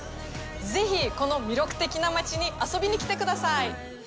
ぜひ、この魅力的な街に遊びに来てください。